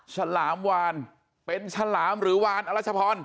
ฉลามวานเป็นฉลามหรือวานอรัชพร